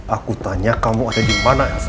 aku tanya kamu ada dimana elsa